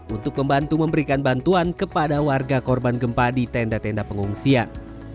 untuk membantu memberikan bantuan kepada warga korban gempa di tenda tenda pengungsian